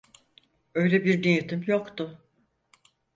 Öyle bir niyetim yoktu.